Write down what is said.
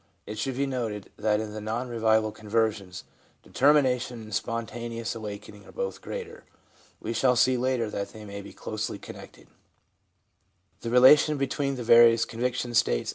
It should be noted that in the non revival conversions determination and spontaneous awakening are both greater. We shall see later that they may be closely connected. Female. Male. Both. Consists. Revival. Non Revival. Revival.